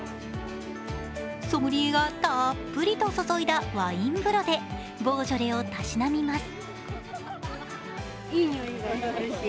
ソムリエがたっぷりと注いだワイン風呂でボージョレをたしなみます。